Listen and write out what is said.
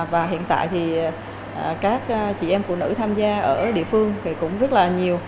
và hiện tại thì các chị em phụ nữ tham gia ở địa phương thì cũng rất là nhiều